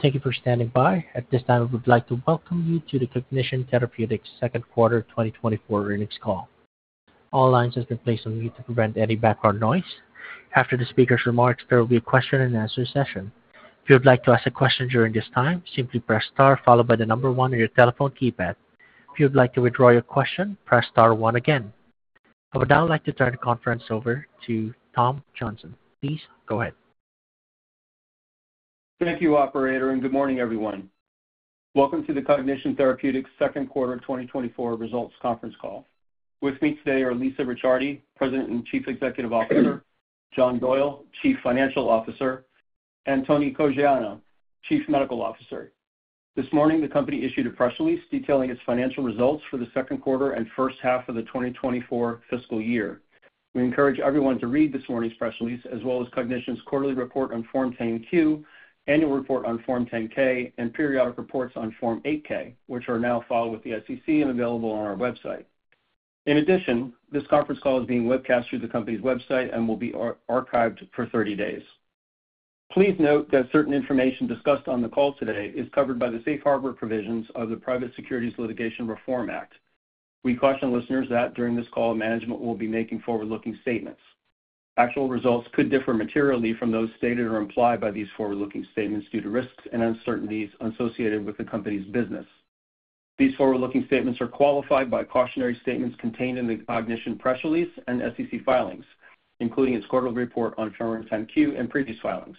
Thank you for standing by. At this time, we would like to welcome you to the Cognition Therapeutics Second Quarter 2024 Earnings Call. All lines have been placed on mute to prevent any background noise. After the speaker's remarks, there will be a question-and-answer session. If you would like to ask a question during this time, simply press star followed by the number one on your telephone keypad. If you would like to withdraw your question, press star one again. I would now like to turn the conference over to Tom Johnson. Please go ahead. Thank you, operator, and good morning, everyone. Welcome to the Cognition Therapeutics Second Quarter 2024 Results Conference Call. With me today are Lisa Ricciardi, President and Chief Executive Officer, John Doyle, Chief Financial Officer, and Tony Caggiano, Chief Medical Officer. This morning, the company issued a press release detailing its financial results for the second quarter and first half of the 2024 fiscal year. We encourage everyone to read this morning's press release, as well as Cognition's quarterly report on Form 10-Q, annual report on Form 10-K, and periodic reports on Form 8-K, which are now filed with the SEC and available on our website. In addition, this conference call is being webcast through the company's website and will be archived for 30 days. Please note that certain information discussed on the call today is covered by the safe harbor provisions of the Private Securities Litigation Reform Act. We caution listeners that during this call, management will be making forward-looking statements. Actual results could differ materially from those stated or implied by these forward-looking statements due to risks and uncertainties associated with the company's business. These forward-looking statements are qualified by cautionary statements contained in the Cognition press release and SEC filings, including its quarterly report on Form 10-Q and previous filings.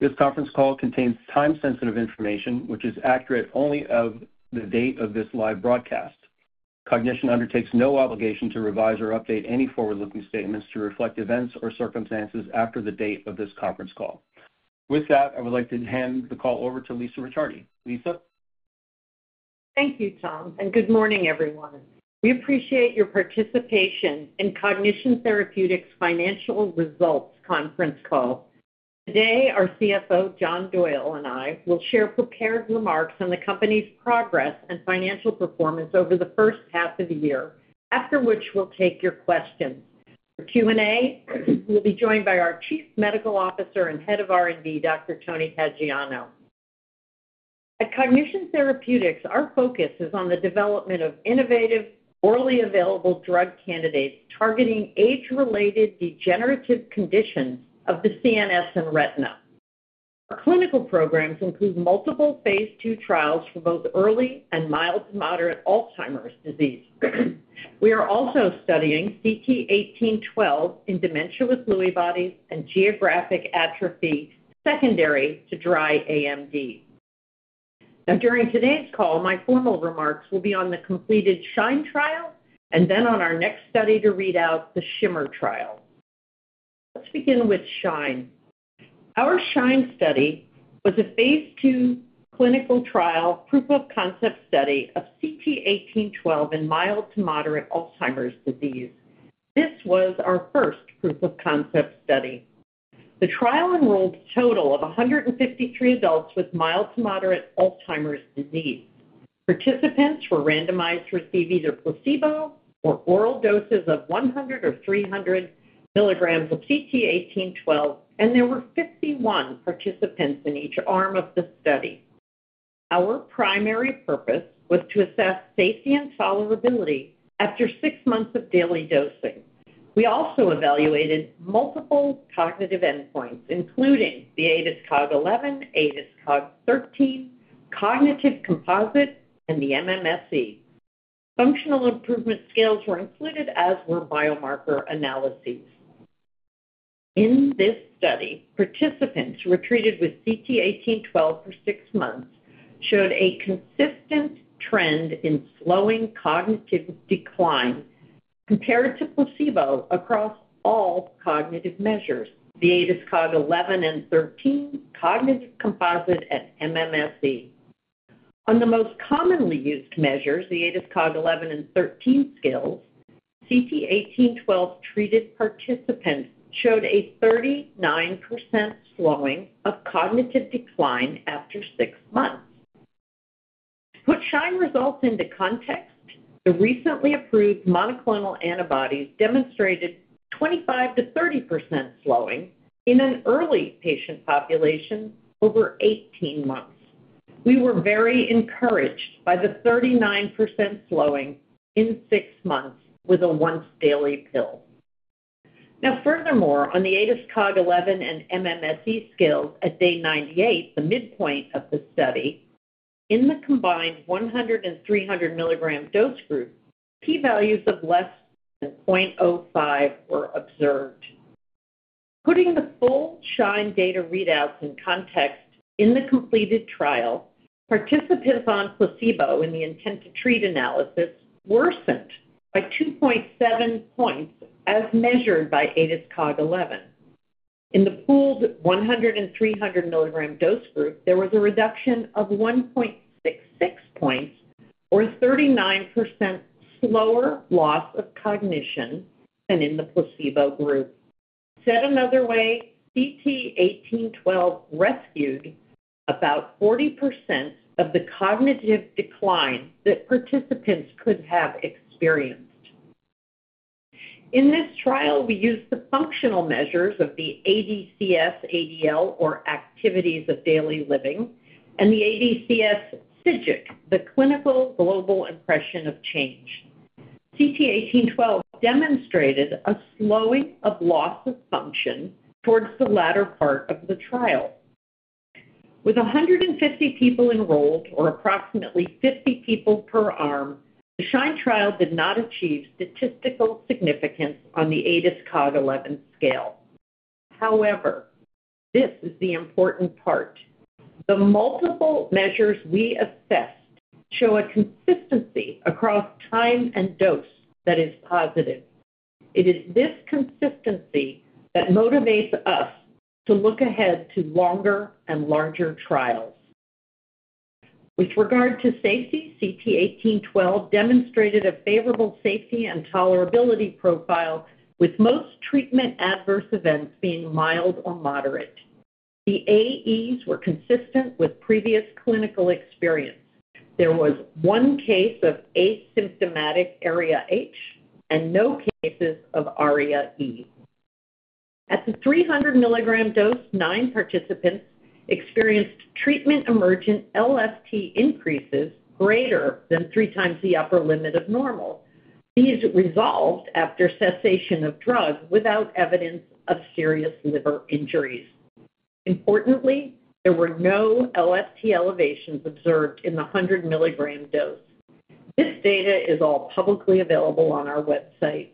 This conference call contains time-sensitive information, which is accurate only of the date of this live broadcast. Cognition undertakes no obligation to revise or update any forward-looking statements to reflect events or circumstances after the date of this conference call. With that, I would like to hand the call over to Lisa Ricciardi. Lisa? Thank you, Tom, and good morning, everyone. We appreciate your participation in Cognition Therapeutics Financial Results conference call. Today, our CFO, John Doyle, and I will share prepared remarks on the company's progress and financial performance over the first half of the year. After which, we'll take your questions. For Q&A, we'll be joined by our Chief Medical Officer and Head of R&D, Dr. Tony Caggiano. At Cognition Therapeutics, our focus is on the development of innovative, orally available drug candidates targeting age-related degenerative conditions of the CNS and retina. Our clinical programs include multiple Phase 2 trials for both early and mild to moderate Alzheimer's disease. We are also studying CT-1812 in dementia with Lewy bodies and geographic atrophy secondary to dry AMD. Now, during today's call, my formal remarks will be on the completed SHINE trial, and then on our next study to read out, the SHIMMER trial. Let's begin with SHINE. Our SHINE study was a phase II clinical trial, proof-of-concept study of CT-1812 in mild to moderate Alzheimer's disease. This was our first proof-of-concept study. The trial enrolled a total of 153 adults with mild to moderate Alzheimer's disease. Participants were randomized to receive either placebo or oral doses of 100 or 300 milligrams of CT-1812, and there were 51 participants in each arm of the study. Our primary purpose was to assess safety and tolerability after six months of daily dosing. We also evaluated multiple cognitive endpoints, including the ADAS-Cog 11, ADAS-Cog 13, cognitive composite, and the MMSE. Functional improvement scales were included, as were biomarker analyses. In this study, participants who were treated with CT-1812 for six months showed a consistent trend in slowing cognitive decline compared to placebo across all cognitive measures, the ADAS-Cog 11 and 13, cognitive composite, and MMSE. On the most commonly used measures, the ADAS-Cog 11 and 13 scales, CT-1812-treated participants showed a 39% slowing of cognitive decline after six months. To put SHINE results into context, the recently approved monoclonal antibodies demonstrated 25%-30% slowing in an early patient population over 18 months. We were very encouraged by the 39% slowing in six months with a once-daily pill. Now, furthermore, on the ADAS-Cog 11 and MMSE scales at day 98, the midpoint of the study, in the combined 100 and 300 mg dose group, p-values of less than 0.05 were observed. Putting the full SHINE data readouts in context, in the completed trial, participants on placebo in the intent-to-treat analysis worsened by 2.7 points as measured by ADAS-Cog 11. In the pooled 100 and 300 milligram dose group, there was a reduction of 1.66 points or a 39% slower loss of cognition than in the placebo group. Said another way, CT-1812 rescued about 40% of the cognitive decline that participants could have experienced.... In this trial, we used the functional measures of the ADCS-ADL, or Activities of Daily Living, and the ADCS-CGIC, the Clinical Global Impression of Change. CT-1812 demonstrated a slowing of loss of function towards the latter part of the trial. With 150 people enrolled, or approximately 50 people per arm, the SHINE trial did not achieve statistical significance on the ADAS-Cog 11 scale. However, this is the important part: the multiple measures we assessed show a consistency across time and dose that is positive. It is this consistency that motivates us to look ahead to longer and larger trials. With regard to safety, CT-1812 demonstrated a favorable safety and tolerability profile, with most treatment adverse events being mild or moderate. The AEs were consistent with previous clinical experience. There was one case of asymptomatic ARIA-H, and no cases of ARIA-E. At the 300 milligram dose, nine participants experienced treatment-emergent LFT increases greater than 3 times the upper limit of normal. These resolved after cessation of drug without evidence of serious liver injuries. Importantly, there were no LFT elevations observed in the 100 milligram dose. This data is all publicly available on our website.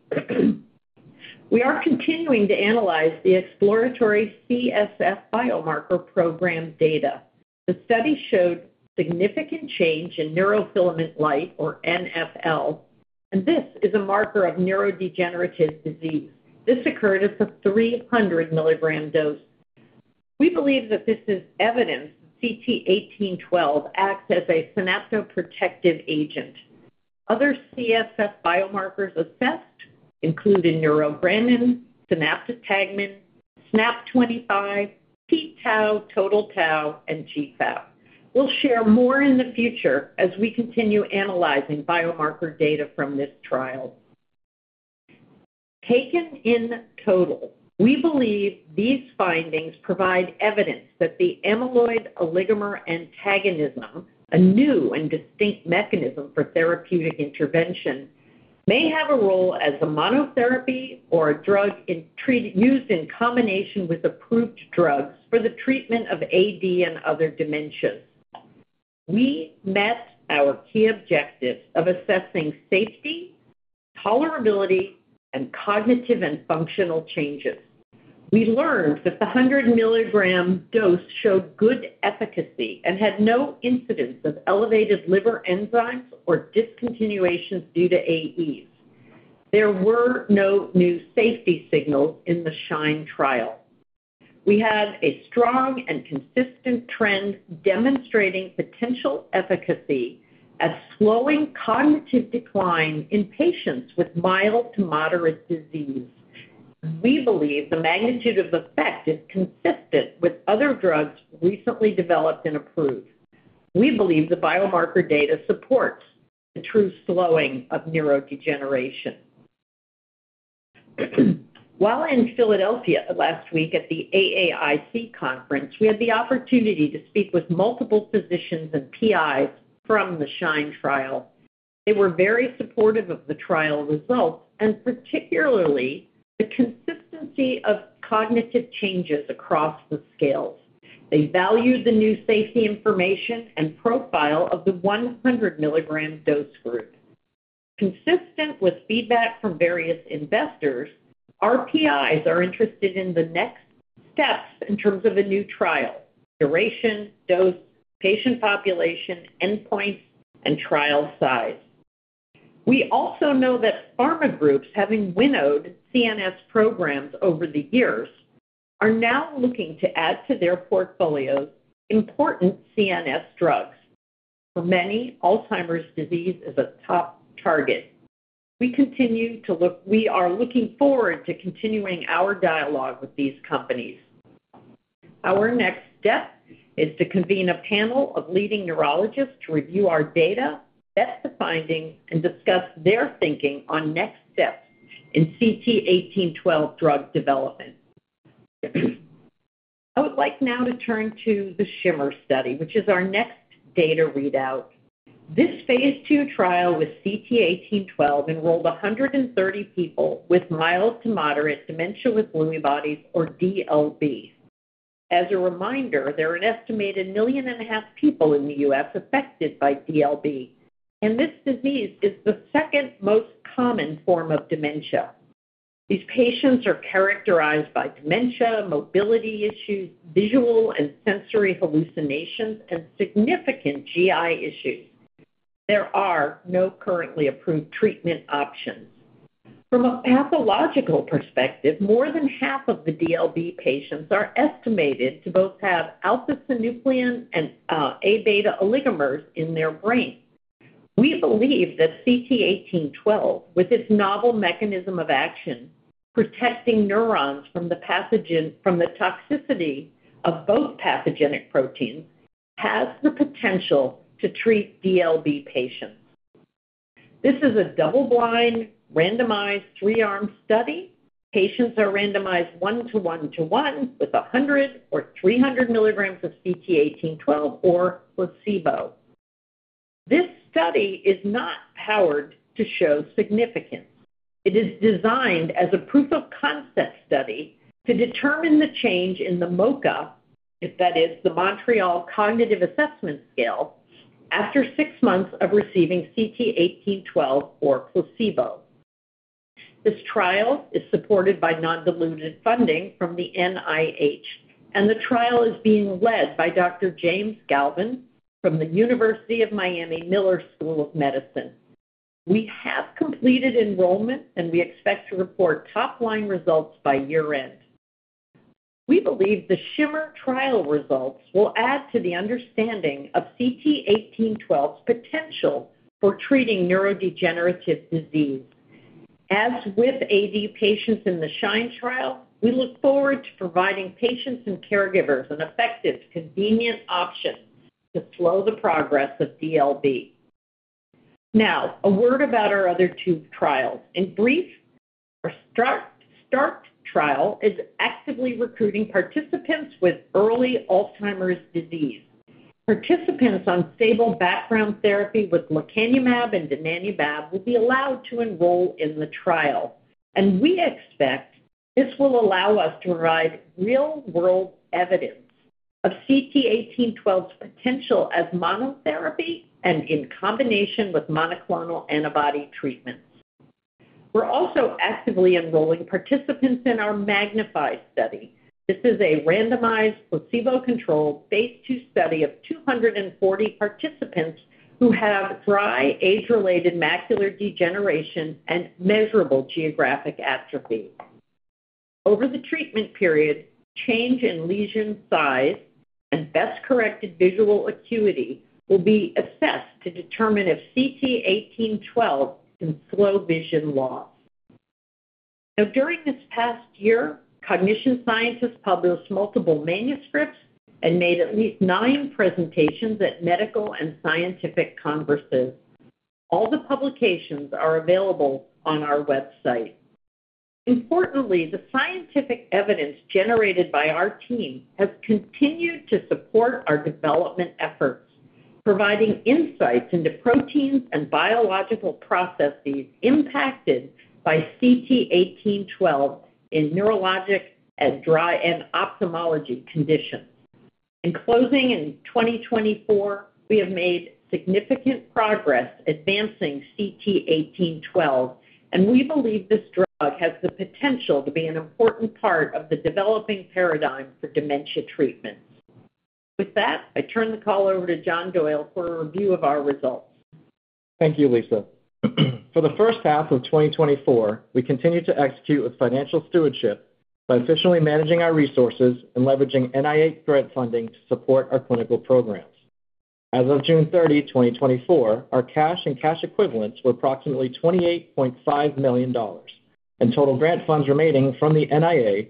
We are continuing to analyze the exploratory CSF biomarker program data. The study showed significant change in neurofilament light, or NfL, and this is a marker of neurodegenerative disease. This occurred at the 300 milligram dose. We believe that this is evidence CT-1812 acts as a synaptoprotective agent. Other CSF biomarkers assessed include neurogranin, synaptotagmin, SNAP-25, p-tau, total tau, and GFAP. We'll share more in the future as we continue analyzing biomarker data from this trial. Taken in total, we believe these findings provide evidence that the amyloid oligomer antagonism, a new and distinct mechanism for therapeutic intervention, may have a role as a monotherapy or a drug in treatment used in combination with approved drugs for the treatment of AD and other dementias. We met our key objectives of assessing safety, tolerability, and cognitive and functional changes. We learned that the 100 milligram dose showed good efficacy and had no incidence of elevated liver enzymes or discontinuations due to AEs. There were no new safety signals in the SHINE trial. We had a strong and consistent trend demonstrating potential efficacy at slowing cognitive decline in patients with mild to moderate disease. We believe the magnitude of effect is consistent with other drugs recently developed and approved. We believe the biomarker data supports the true slowing of neurodegeneration. While in Philadelphia last week at the AAIC conference, we had the opportunity to speak with multiple physicians and PIs from the SHINE trial. They were very supportive of the trial results, and particularly the consistency of cognitive changes across the scales. They valued the new safety information and profile of the 100 milligram dose group. Consistent with feedback from various investors, our PIs are interested in the next steps in terms of a new trial: duration, dose, patient population, endpoint, and trial size. We also know that pharma groups, having winnowed CNS programs over the years, are now looking to add to their portfolios important CNS drugs. For many, Alzheimer's disease is a top target. We are looking forward to continuing our dialogue with these companies. Our next step is to convene a panel of leading neurologists to review our data, assess the findings, and discuss their thinking on next steps in CT-1812 drug development. I would like now to turn to the SHIMMER study, which is our next data readout. This phase ii trial with CT-1812 enrolled 130 people with mild to moderate dementia with Lewy bodies, or DLB. As a reminder, there are an estimated 1.5 million people in the U.S. affected by DLB, and this disease is the second most common form of dementia. These patients are characterized by dementia, mobility issues, visual and sensory hallucinations, and significant GI issues. There are no currently approved treatment options. From a pathological perspective, more than half of the DLB patients are estimated to both have alpha-synuclein and A-beta oligomers in their brain. We believe that CT-1812, with its novel mechanism of action, protecting neurons from the pathogen, from the toxicity of both pathogenic proteins, has the potential to treat DLB patients. This is a double-blind, randomized, three-arm study. Patients are randomized 1:1:1, with 100 or 300 milligrams of CT-1812 or placebo. This study is not powered to show significance. It is designed as a proof-of-concept study to determine the change in the MoCA, if that is the Montreal Cognitive Assessment Scale, after six months of receiving CT-1812 or placebo. This trial is supported by non-dilutive funding from the NIH, and the trial is being led by Dr. James Galvin from the University of Miami Miller School of Medicine. We have completed enrollment, and we expect to report top-line results by year-end. We believe the SHIMMER trial results will add to the understanding of CT-1812's potential for treating neurodegenerative disease. As with AD patients in the SHINE trial, we look forward to providing patients and caregivers an effective, convenient option to slow the progress of DLB. Now, a word about our other two trials. In brief, our START, START trial is actively recruiting participants with early Alzheimer's disease. Participants on stable background therapy with lecanemab and donanemab will be allowed to enroll in the trial, and we expect this will allow us to provide real-world evidence of CT-1812's potential as monotherapy and in combination with monoclonal antibody treatments. We're also actively enrolling participants in our MAGNIFY study. This is a randomized, placebo-controlled, phase II study of 240 participants who have dry age-related macular degeneration and measurable geographic atrophy. Over the treatment period, change in lesion size and best-corrected visual acuity will be assessed to determine if CT-1812 can slow vision loss. Now, during this past year, Cognition scientists published multiple manuscripts and made at least nine presentations at medical and scientific conferences. All the publications are available on our website. Importantly, the scientific evidence generated by our team has continued to support our development efforts, providing insights into proteins and biological processes impacted by CT-1812 in neurological and dry AMD and ophthalmology conditions. In closing, in 2024, we have made significant progress advancing CT-1812, and we believe this drug has the potential to be an important part of the developing paradigm for dementia treatment. With that, I turn the call over to John Doyle for a review of our results. Thank you, Lisa. For the first half of 2024, we continued to execute with financial stewardship by efficiently managing our resources and leveraging NIA grant funding to support our clinical programs. As of June 30, 2024, our cash and cash equivalents were approximately $28.5 million, and total grant funds remaining from the NIA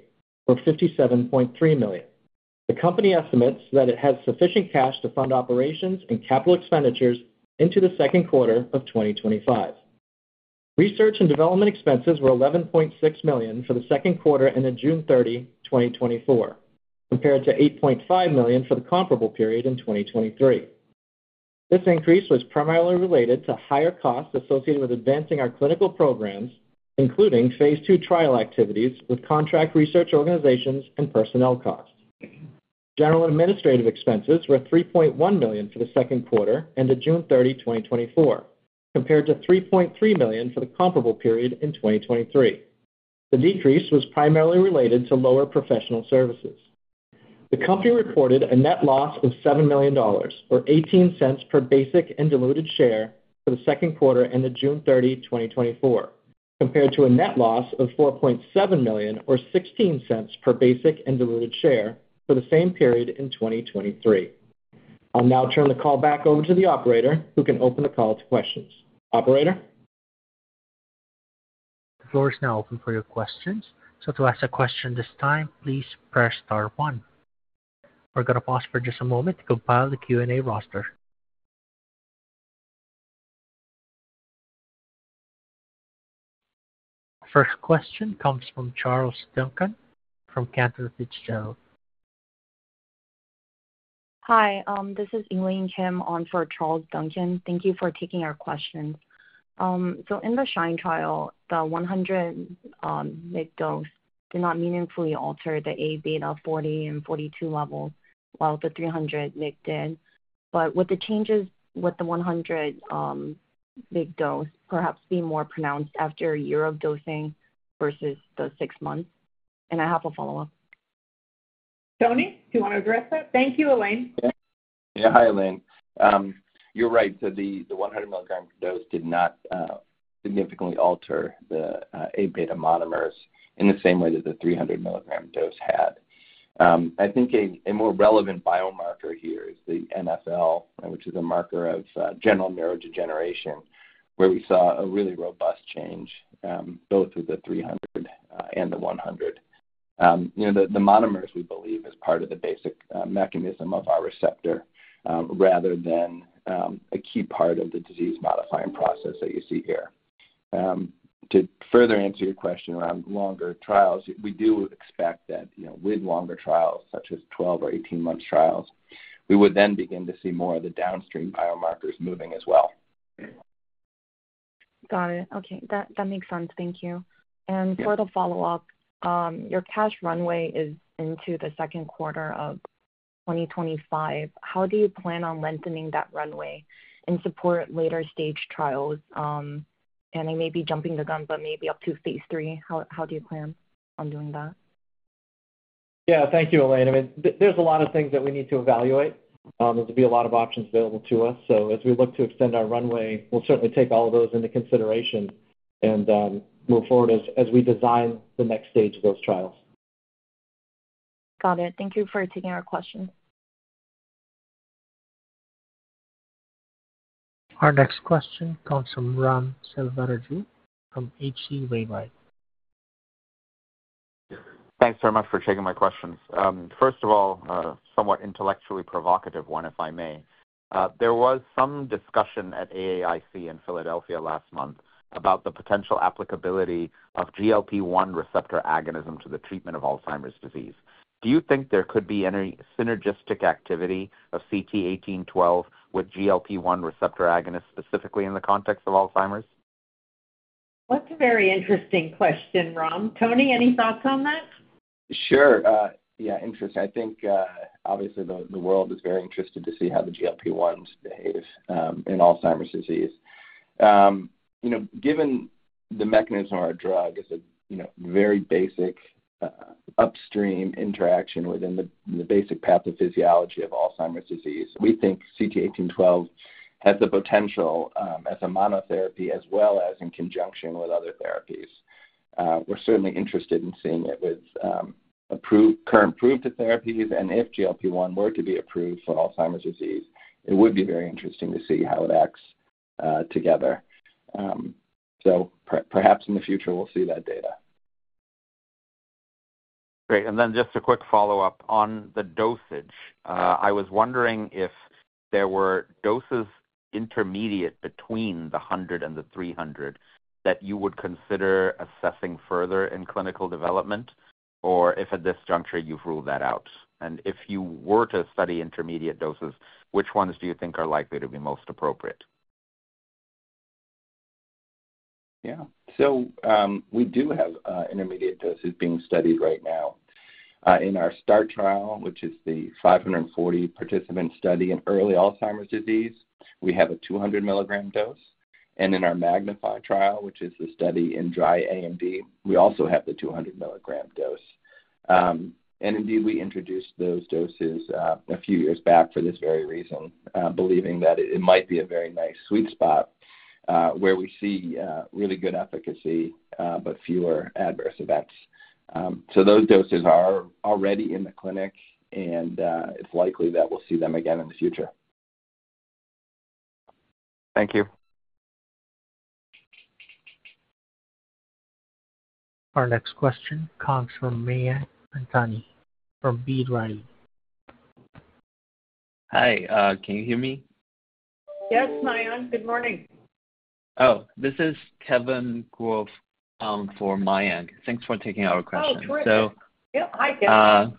were $57.3 million. The company estimates that it has sufficient cash to fund operations and capital expenditures into the second quarter of 2025. Research and development expenses were $11.6 million for the second quarter and then June 30, 2024, compared to $8.5 million for the comparable period in 2023. This increase was primarily related to higher costs associated with advancing our clinical programs, including phase 2 trial activities with contract research organizations and personnel costs. General administrative expenses were $3.1 million for the second quarter and to June 30, 2024, compared to $3.3 million for the comparable period in 2023. The decrease was primarily related to lower professional services. The company recorded a net loss of $7 million, or $0.18 per basic and diluted share for the second quarter, and the June 30, 2024, compared to a net loss of $4.7 million, or $0.16 per basic and diluted share, for the same period in 2023. I'll now turn the call back over to the operator, who can open the call to questions. Operator? The floor is now open for your questions. So to ask a question this time, please press star one. We're going to pause for just a moment to compile the Q&A roster. First question comes from Charles Duncan from Cantor Fitzgerald. Hi, this is Elaine Kim on for Charles Duncan. Thank you for taking our questions. So in the SHINE trial, the 100 mg dose did not meaningfully alter the A-beta 40 and 42 levels, while the 300 mg did. But would the changes with the 100 mg dose perhaps be more pronounced after a year of dosing versus the six months? And I have a follow-up. Tony, do you want to address that? Thank you, Elaine. Yeah. Yeah. Hi, Elaine. You're right, so the 100 milligram dose did not significantly alter the A-beta monomers in the same way that the 300 milligram dose had. I think a more relevant biomarker here is the NFL, which is a marker of general neurodegeneration, where we saw a really robust change both with the 300 and the 100. You know, the monomers, we believe, is part of the basic mechanism of our receptor rather than a key part of the disease-modifying process that you see here. To further answer your question around longer trials, we do expect that, you know, with longer trials, such as 12- or 18-month trials, we would then begin to see more of the downstream biomarkers moving as well. Got it. Okay, that, that makes sense. Thank you. Yeah. For the follow-up, your cash runway is into the second quarter of 2025. How do you plan on lengthening that runway and support later-stage trials, and I may be jumping the gun, but maybe up to phase three, how do you plan on doing that? Yeah. Thank you, Elaine. I mean, there's a lot of things that we need to evaluate. There's going to be a lot of options available to us. So as we look to extend our runway, we'll certainly take all of those into consideration and move forward as we design the next stage of those trials. Got it. Thank you for taking our question. Our next question comes from Ram Selvaraju from H.C. Wainwright. Thanks so much for taking my questions. First of all, somewhat intellectually provocative one, if I may. There was some discussion at AAIC in Philadelphia last month about the potential applicability of GLP-1 receptor agonism to the treatment of Alzheimer's disease. Do you think there could be any synergistic activity of CT-1812 with GLP-1 receptor agonists, specifically in the context of Alzheimer's? That's a very interesting question, Ram. Tony, any thoughts on that? Sure. Yeah, interesting. I think, obviously, the world is very interested to see how the GLP-1s behave in Alzheimer's disease. You know, given the mechanism of our drug is a, you know, very basic upstream interaction within the basic pathophysiology of Alzheimer's disease, we think CT-1812 has the potential as a monotherapy as well as in conjunction with other therapies. We're certainly interested in seeing it with approved, current approved therapies, and if GLP-1 were to be approved for Alzheimer's disease, it would be very interesting to see how it acts together. So perhaps in the future, we'll see that data. Great. And then just a quick follow-up on the dosage. Yeah. I was wondering if there were doses intermediate between the 100 and the 300 that you would consider assessing further in clinical development, or if at this juncture, you've ruled that out. If you were to study intermediate doses, which ones do you think are likely to be most appropriate? Yeah. So, we do have an intermediate dosage being studied right now. In our START trial, which is the 540 participant study in early Alzheimer's disease, we have a 200 milligram dose. And in our MAGNIFY trial, which is the study in dry AMD, we also have the 200 milligram dose. And indeed, we introduced those doses a few years back for this very reason, believing that it might be a very nice sweet spot, where we see really good efficacy, but fewer adverse events. So those doses are already in the clinic, and it's likely that we'll see them again in the future. Thank you. Our next question comes from Mayank Mamtani from B. Riley. Hi, can you hear me? Yes, Mayank, good morning. Oh, this is Kevin Kuo, for Mayank. Thanks for taking our question. Oh, great. So- Yeah. Hi, Kevin.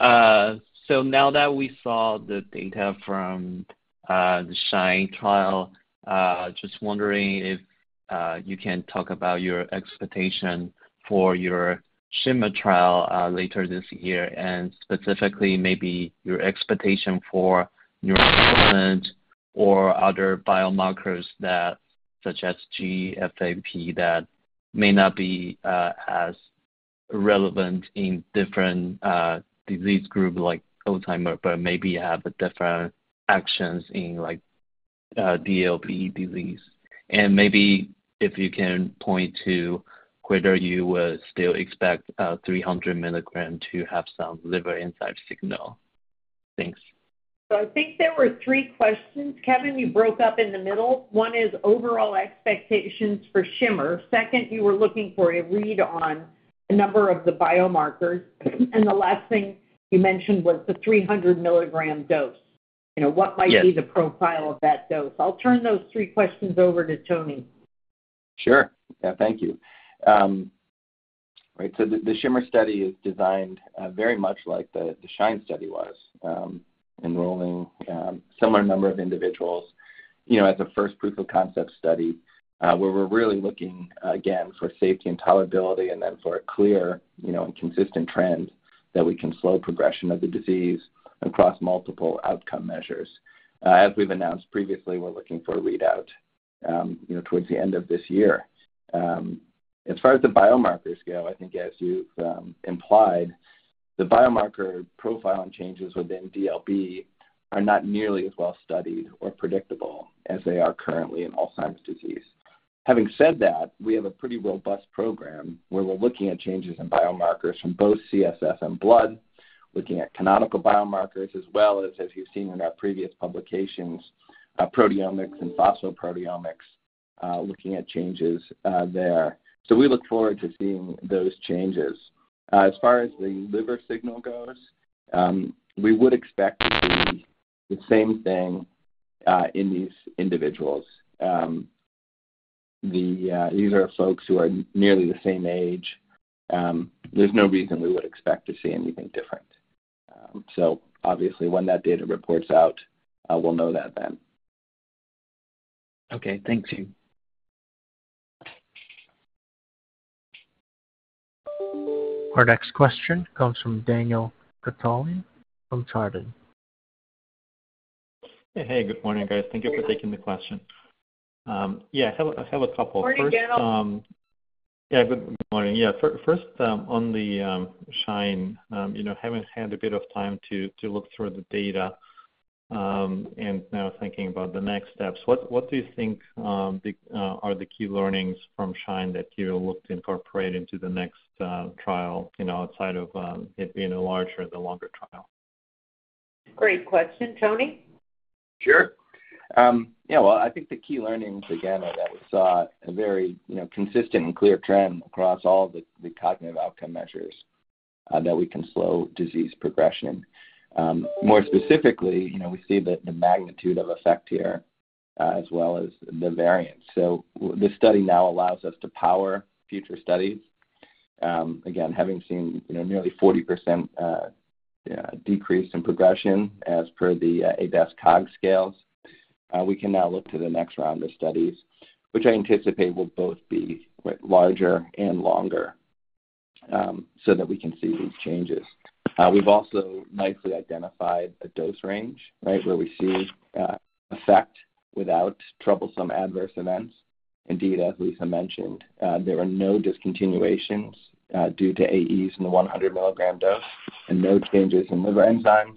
Hi. So now that we saw the data from the SHINE trial, just wondering if you can talk about your expectation for your SHIMMER trial later this year, and specifically, maybe your expectation for neurofilaments or other biomarkers that, such as GFAP, that may not be as relevant in different disease groups like Alzheimer's, but maybe have different actions in, like, DLB disease. And maybe if you can point to whether you would still expect 300 milligram to have some liver enzyme signal. Thanks. So I think there were three questions, Kevin. You broke up in the middle. One is overall expectations for SHIMMER. Second, you were looking for a read on a number of the biomarkers. And the last thing you mentioned was the 300 milligram dose. Yes. You know, what might be the profile of that dose? I'll turn those three questions over to Tony. Sure. Yeah, thank you. Right, so the SHIMMER study is designed very much like the SHINE study was, enrolling similar number of individuals. You know, as a first proof of concept study, where we're really looking, again, for safety and tolerability, and then for a clear, you know, and consistent trend that we can slow progression of the disease across multiple outcome measures. As we've announced previously, we're looking for a readout, you know, towards the end of this year. As far as the biomarkers go, I think as you've implied, the biomarker profile and changes within DLB are not nearly as well studied or predictable as they are currently in Alzheimer's disease.... Having said that, we have a pretty robust program where we're looking at changes in biomarkers from both CSF and blood, looking at canonical biomarkers, as well as, as you've seen in our previous publications, proteomics and phosphoproteomics, looking at changes there. So we look forward to seeing those changes. As far as the liver signal goes, we would expect to see the same thing in these individuals. These are folks who are nearly the same age. There's no reason we would expect to see anything different. So obviously when that data reports out, we'll know that then. Okay, thanks. Our next question comes from Daniel Vitale from Chardan. Hey, good morning, guys. Thank you for taking the question. Yeah, I have a couple. Morning, Daniel. Yeah, good morning. Yeah, first, on the SHINE, you know, having had a bit of time to look through the data, and now thinking about the next steps, what do you think are the key learnings from SHINE that you look to incorporate into the next trial, you know, outside of it being a larger and a longer trial? Great question. Tony? Sure. Yeah, well, I think the key learnings, again, are that we saw a very, you know, consistent and clear trend across all the cognitive outcome measures, that we can slow disease progression. More specifically, you know, we see that the magnitude of effect here, as well as the variance. This study now allows us to power future studies. Again, having seen, you know, nearly 40% decrease in progression as per the ADAS-Cog scales, we can now look to the next round of studies, which I anticipate will both be quite larger and longer, so that we can see these changes. We've also nicely identified a dose range, right, where we see effect without troublesome adverse events. Indeed, as Lisa mentioned, there were no discontinuations due to AEs in the 100 milligram dose and no changes in liver enzymes.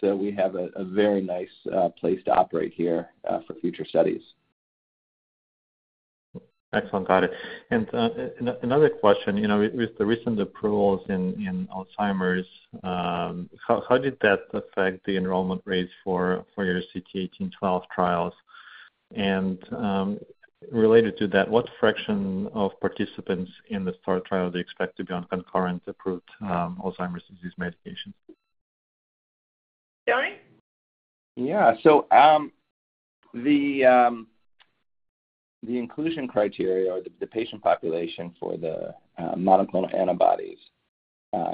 So we have a very nice place to operate here for future studies. Excellent. Got it. And, another question, you know, with the recent approvals in Alzheimer's, how did that affect the enrollment rates for your CT-1812 trials? And, related to that, what fraction of participants in the START trial do you expect to be on concurrent approved Alzheimer's disease medications? Tony? Yeah. So, the inclusion criteria or the patient population for the monoclonal antibodies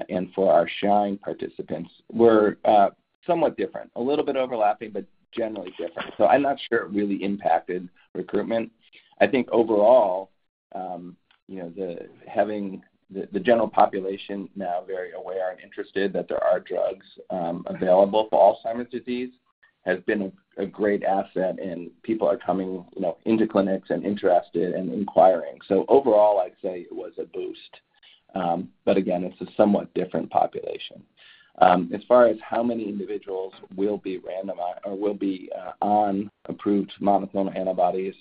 and for our SHINE participants were somewhat different. A little bit overlapping, but generally different. So I'm not sure it really impacted recruitment. I think overall, you know, having the general population now very aware and interested that there are drugs available for Alzheimer's disease has been a great asset, and people are coming, you know, into clinics and interested and inquiring. So overall, I'd say it was a boost. But again, it's a somewhat different population. As far as how many individuals will be randomized or will be on approved monoclonal antibodies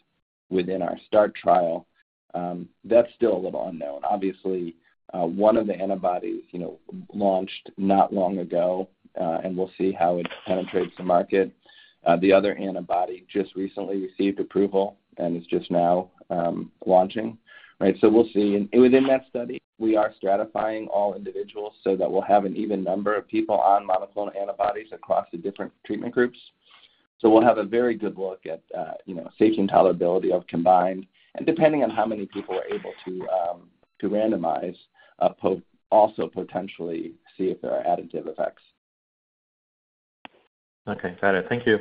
within our START trial, that's still a little unknown. Obviously, one of the antibodies, you know, launched not long ago, and we'll see how it penetrates the market. The other antibody just recently received approval and is just now launching. Right, so we'll see. And within that study, we are stratifying all individuals so that we'll have an even number of people on monoclonal antibodies across the different treatment groups. So we'll have a very good look at, you know, safety and tolerability of combined, and depending on how many people we're able to to randomize, also potentially see if there are additive effects. Okay. Got it. Thank you.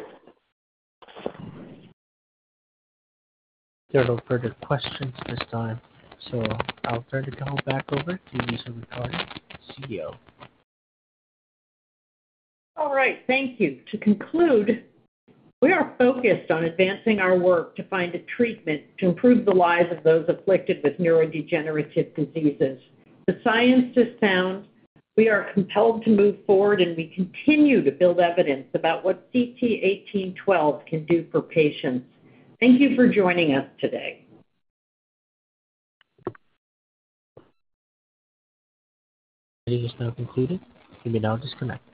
There are no further questions at this time, so I'll turn the call back over to Lisa Ricciardi, CEO. All right, thank you. To conclude, we are focused on advancing our work to find a treatment to improve the lives of those afflicted with neurodegenerative diseases. The science is sound, we are compelled to move forward, and we continue to build evidence about what CT-1812 can do for patients. Thank you for joining us today. The meeting is now concluded. You may now disconnect.